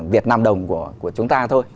việt nam đồng của chúng ta thôi